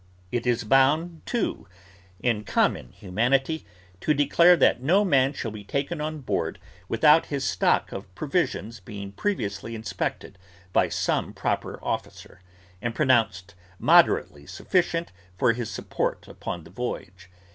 It is bound, too, in common humanity, to declare that no man shall be taken on board without his stock of provisions being previously inspected by some proper officer, and pronounced moderately sufficient for his support upon the voyage.